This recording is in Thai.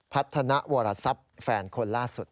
พัฒนาโวรสับแฟนคนล่าสุด